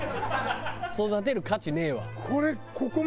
育てる価値ねえわ。